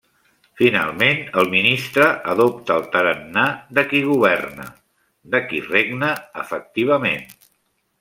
Finalment, el ministre adopta el tarannà de qui governa, de qui regna efectivament.